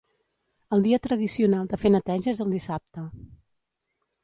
El dia tradicional de fer neteja és el dissabte.